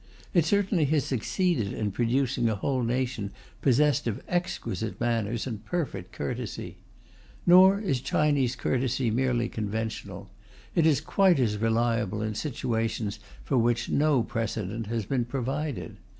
It certainly has succeeded in producing a whole nation possessed of exquisite manners and perfect courtesy. Nor is Chinese courtesy merely conventional; it is quite as reliable in situations for which no precedent has been provided.